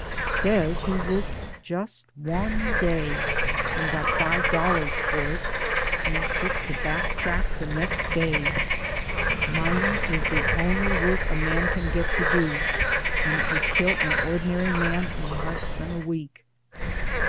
Says he worked just one day DAYS ON THE ROAD. 243 and got five dollars for it, and took the back track the next day. "Mining is the only work a man can get to do, and it would kill an ordinary man in less than a week."